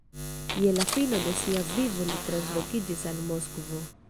Je la fino de sia vivo li translokiĝis al Moskvo.